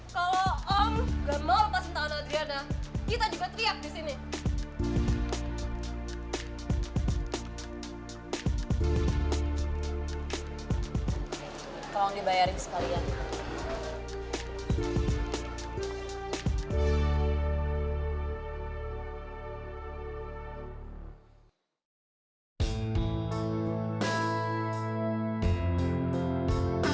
kalau om nggak mau lepasin tangan adriana kita juga teriak disini